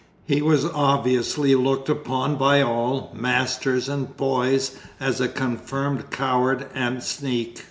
He was obviously looked upon by all, masters and boys, as a confirmed coward and sneak.